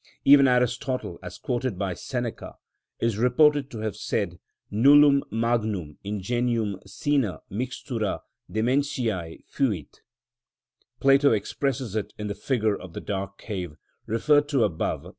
Even Aristotle, as quoted by Seneca (De Tranq. Animi, 15, 16), is reported to have said: Nullum magnum ingenium sine mixtura dementiæ fuit. Plato expresses it in the figure of the dark cave, referred to above (De Rep.